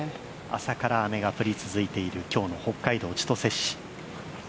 朝から雨が降り続いている今日の北海道千歳市。